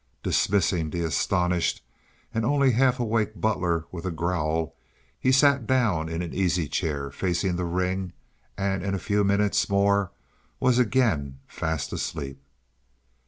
Dismissing the astonished and only half awake butler with a growl, he sat down in an easy chair facing the ring, and in a few minutes more was again fast asleep.